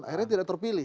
akhirnya tidak terpilih